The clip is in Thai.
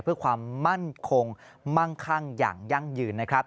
เพื่อความมั่นคงมั่งคั่งอย่างยั่งยืนนะครับ